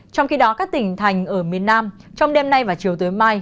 trong khi đó các tỉnh thành ở miền nam trong đêm nay và chiều tới mai